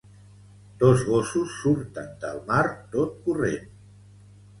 Dos gossos surten del mar tot corrent.